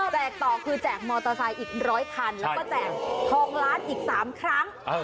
และแจกฮ่องร้านอีก๓ครั้ง